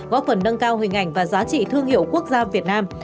góp phần nâng cao hình ảnh và giá trị thương hiệu quốc gia việt nam